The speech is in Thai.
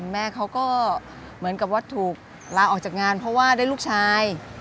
แม่เขาก็เหมือนกับว่าถูกลาออกจากงานเพราะว่าได้ลูกชาย